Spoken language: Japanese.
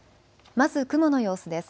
まず雲の様子です。